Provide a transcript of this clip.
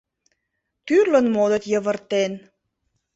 Тӱрлын модыт йывыртен;